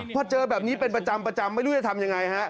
พอเจอแบบนี้เป็นประจำไม่รู้จะทำยังไงฮะ